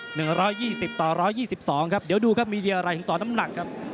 หนึ่งร้อยยี่สิบต่อร้อยยี่สิบสองครับเดี๋ยวดูครับมีเดียอะไรถึงต่อน้ำหนักครับ